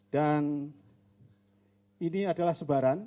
dan ini adalah sebagiannya